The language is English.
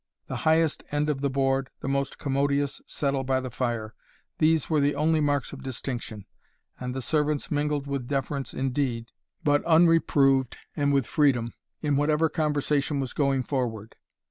The highest end of the board, the most commodious settle by the fire, these were the only marks of distinction; and the servants mingled, with deference indeed, but unreproved and with freedom, in whatever conversation was going forward.